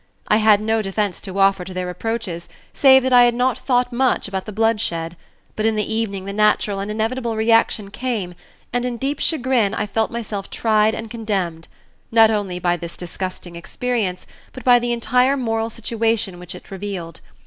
I had no defense to offer to their reproaches save that I had not thought much about the bloodshed; but in the evening the natural and inevitable reaction came, and in deep chagrin I felt myself tried and condemned, not only by this disgusting experience but by the entire moral situation which it revealed.